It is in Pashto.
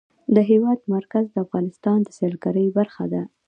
د هېواد مرکز د افغانستان د سیلګرۍ برخه ده.